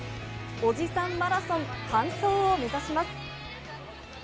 おじさんマラソン完走を目指します。